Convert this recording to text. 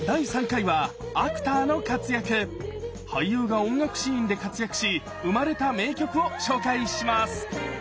俳優が音楽シーンで活躍し生まれた名曲を紹介します。